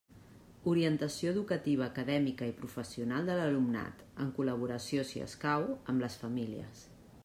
Orientació educativa, acadèmica i professional de l'alumnat en col·laboració, si escau, amb les famílies.